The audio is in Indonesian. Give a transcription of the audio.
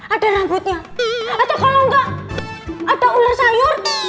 ada rambutnya atau kalau enggak ada ular sayur